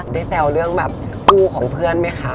แซวเรื่องแบบคู่ของเพื่อนไหมคะ